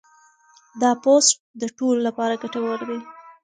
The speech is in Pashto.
دا پوسټ د ټولو لپاره ګټور دی.